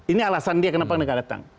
ini alasan dia kenapa mereka datang